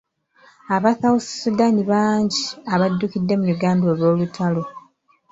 Aba South Sudan bangi abaddukidde mu Uganda olw'olutalo.